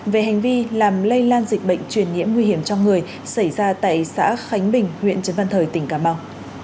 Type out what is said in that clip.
về hành vi làm lây lan dịch bệnh truyền nhiễm nguy hiểm trong người xảy ra tại xã khánh bình huyện trần văn thời tỉnh cà mau